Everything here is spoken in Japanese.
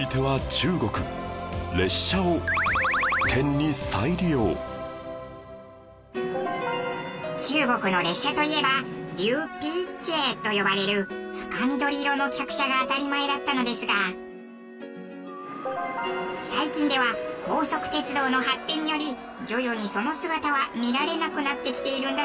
中国の列車といえば緑皮車と呼ばれる深緑色の客車が当たり前だったのですが最近では高速鉄道の発展により徐々にその姿は見られなくなってきているんだそうです。